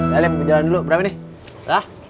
lha lim jalan dulu berapa nih